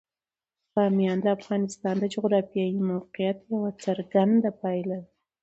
بامیان د افغانستان د جغرافیایي موقیعت یوه څرګنده پایله ده.